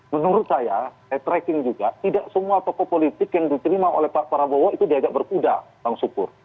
menurut saya saya tracking juga tidak semua tokoh politik yang diterima oleh pak prabowo itu diajak berkuda bang sukur